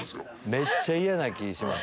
めっちゃ嫌な気します。